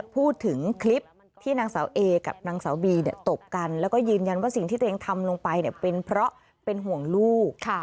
พูดถึงคลิปที่นางสาวเอกับนางสาวบีตบกันแล้วก็ยืนยันว่าสิ่งที่ตัวเองทำลงไปเป็นเพราะเป็นห่วงลูก